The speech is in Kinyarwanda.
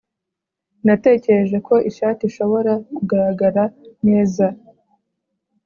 Natekereje ko ishati ishobora kugaragara neza